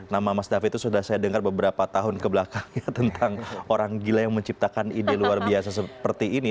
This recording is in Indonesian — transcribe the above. nama mas david itu sudah saya dengar beberapa tahun kebelakang ya tentang orang gila yang menciptakan ide luar biasa seperti ini